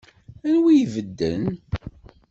Anwa i ibedden?